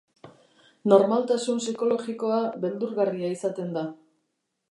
Normaltasun psikologikoa beldurgarria izaten da.